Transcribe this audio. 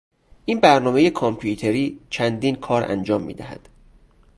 این برنامهی کامپیوتری چندین کار انجام میدهد.